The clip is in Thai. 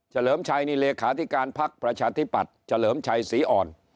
เลิมชัยนี่เลขาธิการพักประชาธิปัตย์เฉลิมชัยศรีอ่อน